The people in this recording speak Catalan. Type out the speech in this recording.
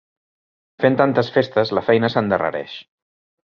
Fent tantes festes, la feina s'endarrereix.